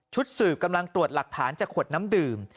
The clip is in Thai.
สืบกำลังตรวจหลักฐานจากขวดน้ำดื่ม